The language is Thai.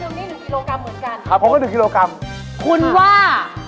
หนึ่งนี่หนึ่งกิโลกรัมเหมือนกันครับผมก็หนึ่งกิโลกรัมคุณว่า